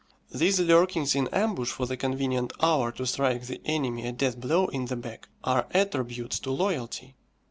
These lurkings in ambush for the convenient hour to strike the enemy a death blow in the back are attributes to loyalty.